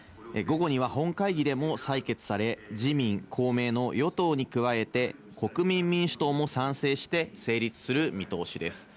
午後には本会議でも採決され、自民・公明の与党に加えて国民民主党も賛成して成立する見通しです。